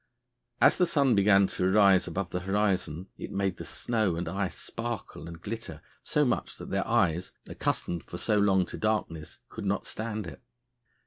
As the sun began to rise above the horizon it made the snow and ice sparkle and glitter so much that their eyes, accustomed for so long to darkness, could not stand it.